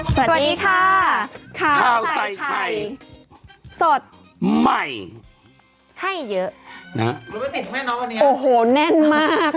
สวัสดีค่ะข้าวไทยไทยสดใหม่ให้เยอะนะโอ้โหแน่นมากค่ะ